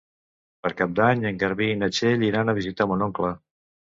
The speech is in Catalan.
Per Cap d'Any en Garbí i na Txell iran a visitar mon oncle.